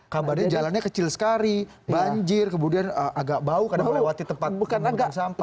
kabarnya jalannya kecil sekali banjir kemudian agak bau karena melewati tempat penampungan sampah